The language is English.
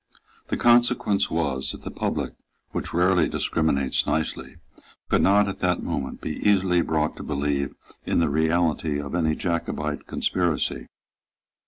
The consequence was that the public, which rarely discriminates nicely, could not, at that moment, be easily brought to believe in the reality of any Jacobite conspiracy.